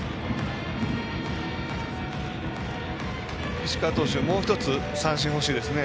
石川投手、もう１つ三振欲しいですね。